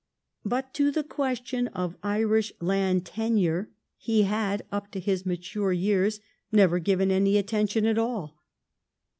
But to the question of Irish land tenure he had up to his mature years never given any attention at all.